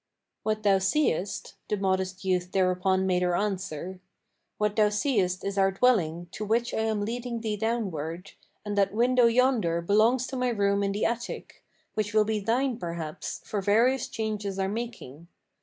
"What thou seest," the modest youth thereupon made her answer, "What thou seest is our dwelling, to which I am leading thee downward, And that window yonder belongs to my room in the attic, Which will be thine perhaps, for various changes are making.